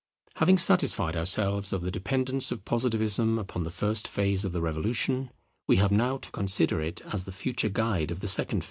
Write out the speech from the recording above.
Having satisfied ourselves of the dependence of Positivism upon the first phase of the Revolution, we have now to consider it as the future guide of the second phase.